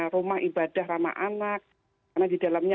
rumah ibadah ramah anak karena didalamnya